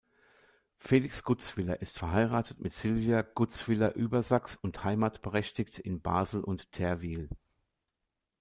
Felix Gutzwiller ist verheiratet mit Sylvia Gutzwiller-Uebersax und heimatberechtigt in Basel und Therwil.